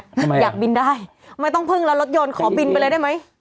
อยากบินได้ไม่ต้องพึ่งแล้วรถยนต์ขอบินไปเลยได้ไหม